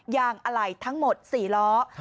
งอะไหล่ทั้งหมด๔ล้อ